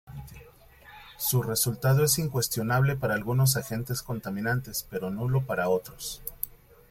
Su resultado es incuestionable para algunos agentes contaminantes, pero nulo para otros.